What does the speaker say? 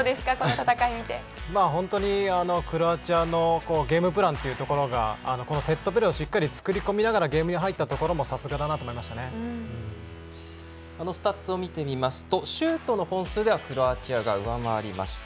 本当にクロアチアのゲームプランというところがこのセットプレーをしっかりつくり込みながらスタッツを見てみますとシュートの本数ではクロアチアが上回りました。